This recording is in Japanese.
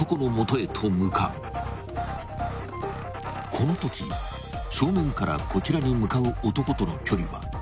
［このとき正面からこちらに向かう男との距離はおよそ５０ｍ。